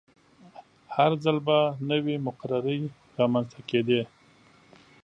هر ځل به نوې مقررې رامنځته کیدې.